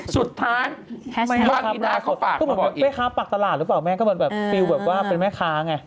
สุดท้ายว่าไปข้างปากตลาดหรือเปล่าแม่ก็มีคิดแบบว่าเป็นแม่ค้าไง